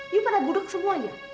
kamu pada gudeg semua ya